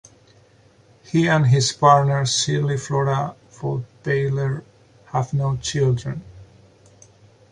He and his partner, Shirley Flora Vollweiler, have no children.